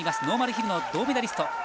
ノーマルヒルの銅メダリスト。